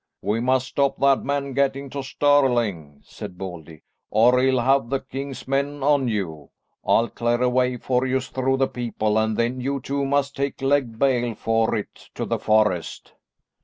"We must stop that man getting to Stirling," said Baldy, "or he'll have the king's men on you. I'll clear a way for you through the people, and then you two must take leg bail for it to the forest."